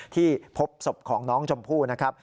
ที่พบศพของน้องชมพู่นะครับ